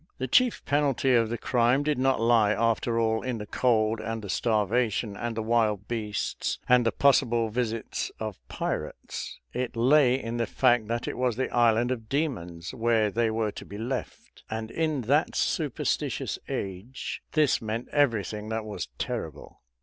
The chief penalty of the crime did not lie, after all, in the cold and the starvation and the wild beasts and the possible visits of pirates; it lay in the fact that it was the Island of Demons where they were to be left; and in that superstitious age this meant everything that was terrible.